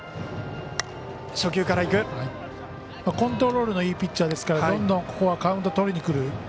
コントロールのいいピッチャーですからどんどんここはカウント取りにくる。